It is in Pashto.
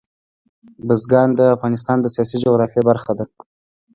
بزګان د افغانستان د سیاسي جغرافیه برخه ده.